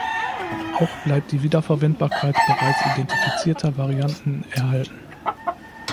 Auch bleibt die Wiederverwendbarkeit bereits identifizierter Varianten erhalten.